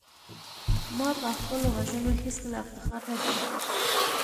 ما په خپلو وژنو هېڅکله افتخار نه دی کړی